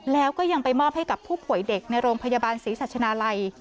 แล้วก็ยังไปมอบให้กับผู้ป่วยเด็กในโรงพยาบาลศรีสัชนาลัย